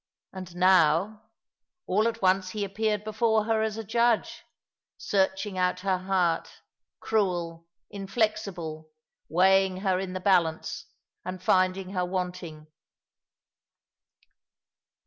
And, now, all at once he appeared before her as a judge, searching out her heart, cruel, inflexible, weighing her in the balance, and finding her wanting.